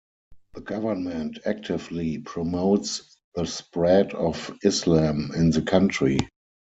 The government actively promotes the spread of Islam in the country.